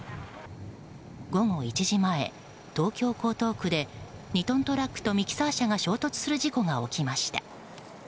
午後１時前、東京・江東区で２トントラックとミキサー車が衝突する事故が起きました。